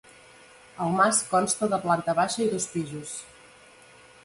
El mas consta de planta baixa i dos pisos.